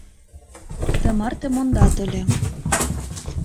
Тымарте мондат ыле.